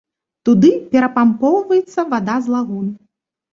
Туды перапампоўваецца вада з лагун.